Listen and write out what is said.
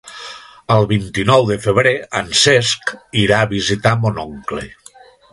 El vint-i-nou de febrer en Cesc irà a visitar mon oncle.